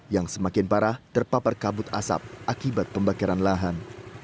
yang semakin parah terpapar kabut asap akibat pembakaran lahan